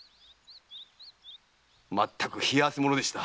まったく冷や汗ものでした。